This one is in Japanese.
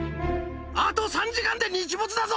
あと３時間で日没だぞ！